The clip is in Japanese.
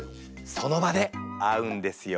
その場で会うんですよ。